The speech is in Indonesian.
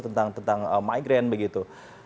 tentang migran begitu